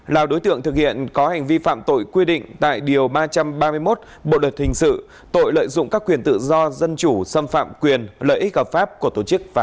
là đối tượng thực hiện có hành vi phạm tội quy định tại điều ba trăm ba mươi một bộ luật hình sự tội lợi dụng các quyền tự do dân chủ xâm phạm quyền lợi ích hợp pháp của tổ chức và pháp